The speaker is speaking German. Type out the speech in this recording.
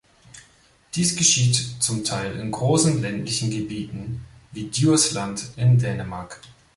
Dies geschieht zum Teil in großen ländlichen Gebieten wie Djursland in Dänemark.